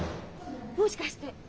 もしかして。